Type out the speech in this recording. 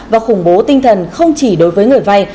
và khủng bố tinh thần không chỉ đối với người vay